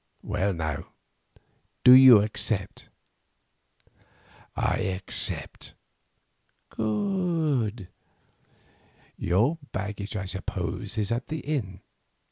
Well now, do you accept?" "I accept." "Good. Your baggage I suppose is at the inn.